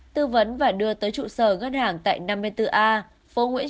tư vấn và đưa tới trụ sở ngân hàng tại năm mươi bốn a phố nguyễn